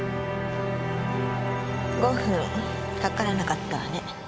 ５分かからなかったわね。